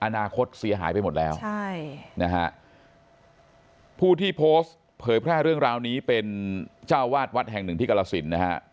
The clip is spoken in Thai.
อนาคตเสียหายไปหมดแล้วใช่นะฮะผู้ที่โพสต์เผยแพร่เรื่องราวนี้เป็นเจ้าวาดวัดแห่งหนึ่งที่กรสินนะฮะ